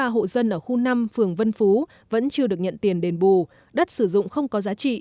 ba hộ dân ở khu năm phường vân phú vẫn chưa được nhận tiền đền bù đất sử dụng không có giá trị